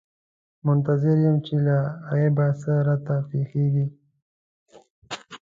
منتظر یم چې له غیبه څه راته پېښېږي.